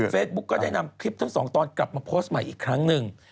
ก็ได้นำคลิปทั้งสองตอนกลับมาโพสต์ใหม่อีกครั้งหนึ่ง